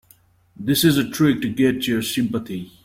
This is a trick to get your sympathy.